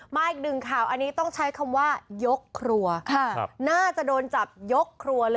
มาอีกหนึ่งค่ะอันนี้ต้องใช้คำว่ายกครัว